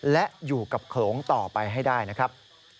และอยู่กับโขลงต่อไปให้ได้นะครับ